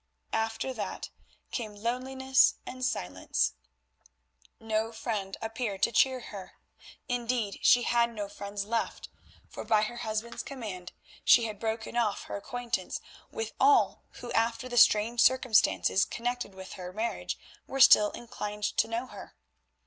After that came loneliness and silence. No friend appeared to cheer her. Indeed, she had no friends left, for by her husband's command she had broken off her acquaintance with all who after the strange circumstances connected with her marriage were still inclined to know her.